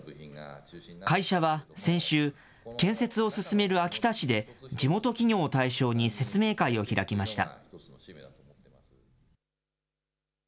建設を進める秋田市で、地元企業を対象に説明会を開きました。